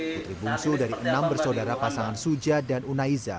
putri bungsu dari enam bersaudara pasangan suja dan unaiza